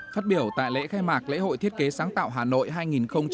phát biểu tại lễ khai mạc lễ hội thiết kế sáng tạo hà nội hai nghìn hai mươi